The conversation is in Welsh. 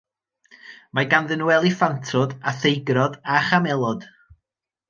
Mae ganddyn nhw eliffantod a theigrod a chamelod.